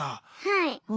はい。